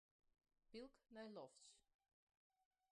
Pylk nei lofts.